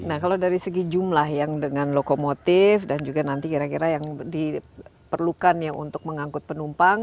nah kalau dari segi jumlah yang dengan lokomotif dan juga nanti kira kira yang diperlukan ya untuk mengangkut penumpang